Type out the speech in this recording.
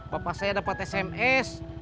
bapak saya dapat sms